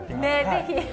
ぜひ。